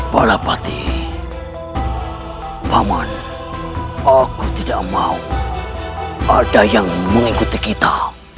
palapati paman aku tidak mau ada yang mengikuti kita